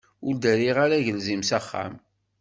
Ur d-rriɣ ara agelzim s axxam.